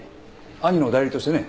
兄の代理としてね。